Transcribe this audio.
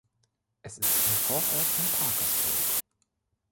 Es ist ein Vorort von Parkersburg.